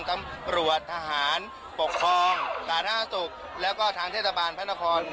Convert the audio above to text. ตำรวจทหารปกครองสาธารณสุขแล้วก็ทางเทศบาลพระนคร